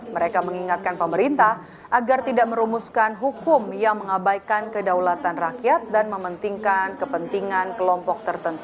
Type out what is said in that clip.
mereka mengingatkan pemerintah agar tidak merumuskan hukum yang mengabaikan kedaulatan rakyat dan mementingkan kepentingan kelompok tertentu